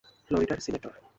ফ্লোরিডার সিনেটর।